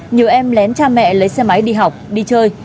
nhiều em lén cha mẹ lấy xe máy đi học đi chơi